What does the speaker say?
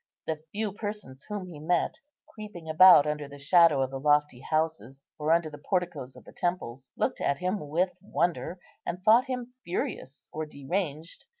The few persons whom he met, creeping about under the shadow of the lofty houses, or under the porticoes of the temples, looked at him with wonder, and thought him furious or deranged.